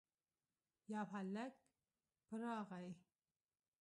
يو هلک په راغی.